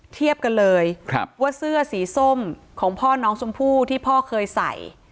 เทียบกันเลยว่าเสื้อสีส้มของพ่อน้องชมพู่ที่พ่อเคยใส่